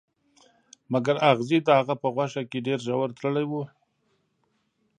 مګر اغزي د هغه په غوښه کې ډیر ژور تللي وو